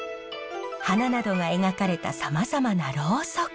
花などが描かれたさまざまなろうそく。